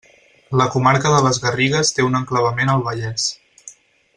La comarca de les Garrigues té un enclavament al Vallès.